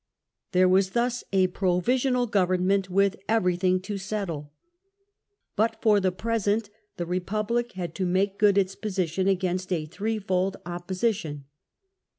There was thus a provisional government with every thing to settle. But for the present the Republic had to Threefold ^lake good its position against a threefold Royalist Opposition.